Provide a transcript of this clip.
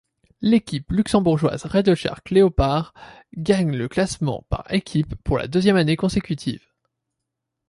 L'équipe luxembourgeoise RadioShack-Leopard gagne le classement par équipes pour la deuxième année consécutive.